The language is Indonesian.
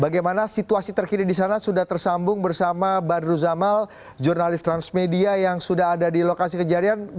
bagaimana situasi terkini di sana sudah tersambung bersama badru zamal jurnalis transmedia yang sudah ada di lokasi kejadian